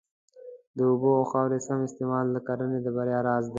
د اوبو او خاورې سم استعمال د کرنې د بریا راز دی.